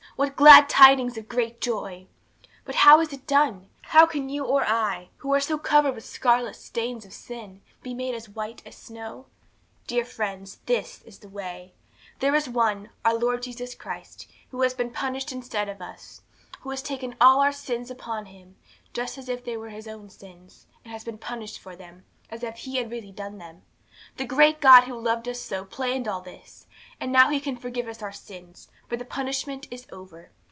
What glad tidings of great joy! 'But how is it done? How can you or I, who are so covered with scarlet stains of sin, be made as white as snow? 'Dear friends, this is the way. There is One, the Lord Jesus Christ, who has been punished instead of us, who has taken all our sins upon Him, just as if they were His own sins, and has been punished for them, as if He had really done them. The great God who loved us so planned all this. And now He can forgive us our sins, for the punishment is over.